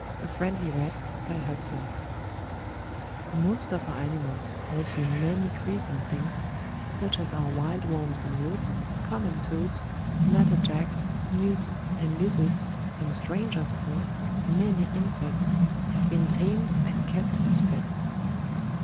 A FRIENDLY RAT Most of our animals, also many creeping things, such as our "wilde wormes in woods," common toads, natter jacks, newts, and lizards, and stranger still, many insects, have been tamed and kept as pets.